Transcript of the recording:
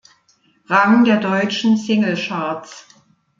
Rang der deutschen Singlecharts.